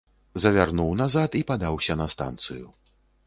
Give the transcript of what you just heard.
Завярнуў назад і падаўся на станцыю.